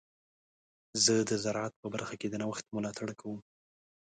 زه د زراعت په برخه کې د نوښت ملاتړ کوم.